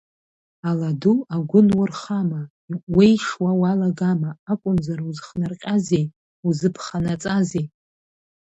Аладу агәы нурхама, уеишуа уалагама, акәымзар узхнарҟьазеи, узыԥханаҵазеи?